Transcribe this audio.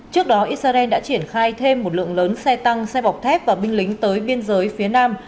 trước đó israel đã triển khai thêm một lượng lớn xe tăng xe bọc thép và binh lính tới biên giới phía nam